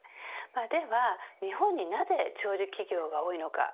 では、日本になぜ長寿企業が多いのか。